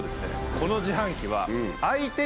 この自販機はええ！